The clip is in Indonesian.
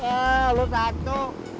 hah lo satu